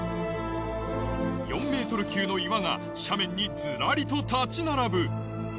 ４ｍ級の岩が斜面にずらりと立ち並ぶ